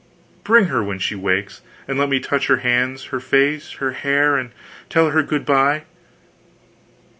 Bring her when she wakes, and let me touch her hands, her face, her hair, and tell her good bye....